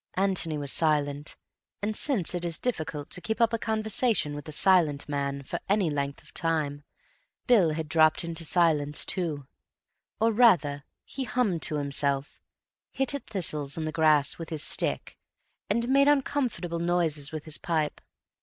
Antony was silent, and since it is difficult to keep up a conversation with a silent man for any length of time, Bill had dropped into silence too. Or rather, he hummed to himself, hit at thistles in the grass with his stick and made uncomfortable noises with his pipe.